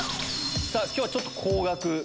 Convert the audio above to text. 今日はちょっと高額。